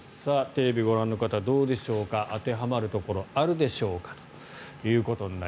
テレビをご覧の方どうでしょうか当てはまるところがあるでしょうか。